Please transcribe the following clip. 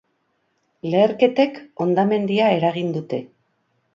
Leherketek hondamendia eragin dute.